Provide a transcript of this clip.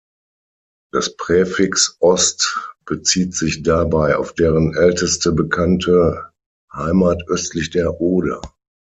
Das Präfix „Ost-“ bezieht sich dabei auf deren älteste bekannte Heimat östlich der Oder.